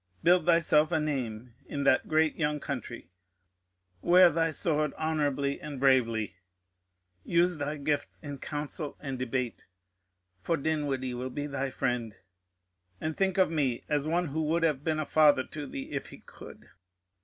Build thyself a name in that great young country, wear thy sword honourably and bravely, use thy gifts in council and debate for Dinwiddie will be thy friend and think of me as one who would have been a father to thee if he could.